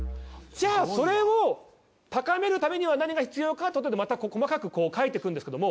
じゃあそれを高めるためには何が必要かとまたこう細かく書いていくんですけども。